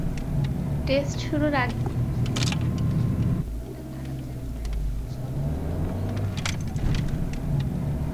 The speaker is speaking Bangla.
টেস্ট শুরুর আগের দিন সংবাদকর্মীদের সঙ্গে টুকটাক আলাপচারিতায় স্বভাবসুলভ নির্লিপ্তই ছিলেন মুমিনুল।